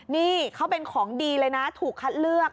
นี่เขาเป็นของดีเลยนะถูกคัดเลือก